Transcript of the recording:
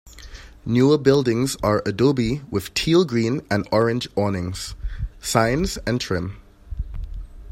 Newer buildings are adobe with teal-green and orange awnings, signs, and trim.